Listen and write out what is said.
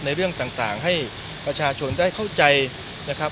เรื่องต่างให้ประชาชนได้เข้าใจนะครับ